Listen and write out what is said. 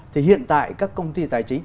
thì hiện tại các công ty tài chính